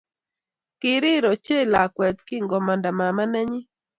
Kirir ochei lakwet kingomanda mama nenyi